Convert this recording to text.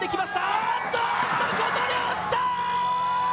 おーっと、ここで落ちたー！